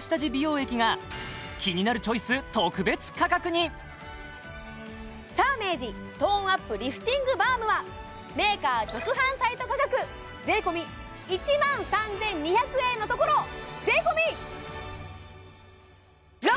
下地美容液が「キニナルチョイス」サーメージトーンアップリフティングバームはメーカー直販サイト価格税込１万３２００円のところ税込６６００円ですわ！